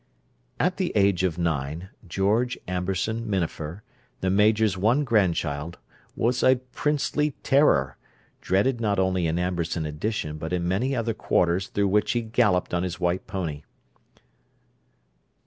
At the age of nine, George Amberson Minafer, the Major's one grandchild, was a princely terror, dreaded not only in Amberson Addition but in many other quarters through which he galloped on his white pony.